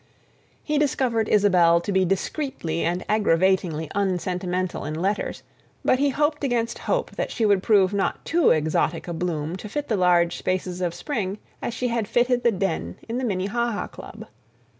He discovered Isabelle to be discreetly and aggravatingly unsentimental in letters, but he hoped against hope that she would prove not too exotic a bloom to fit the large spaces of spring as she had fitted the den in the Minnehaha Club.